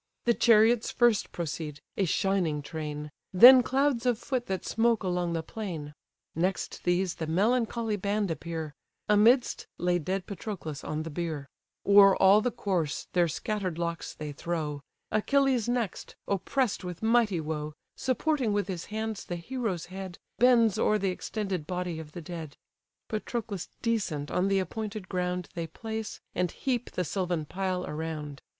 The chariots first proceed, a shining train; Then clouds of foot that smoke along the plain; Next these the melancholy band appear; Amidst, lay dead Patroclus on the bier; O'er all the corse their scattered locks they throw; Achilles next, oppress'd with mighty woe, Supporting with his hands the hero's head, Bends o'er the extended body of the dead. Patroclus decent on the appointed ground They place, and heap the sylvan pile around.